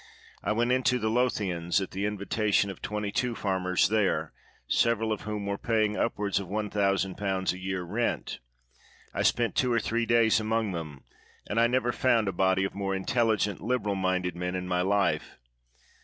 I went into the Lothians, at the invitation of twenty two farmers there, several of whom were paying upward of 1,000L a year rent. I spent two or three days among them, and I never found a body of more intelligent, liberal minded men in my life.